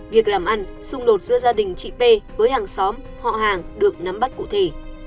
việc làm ăn xung đột giữa gia đình chị p với hàng xóm họ hàng được nắm bắt cụ thể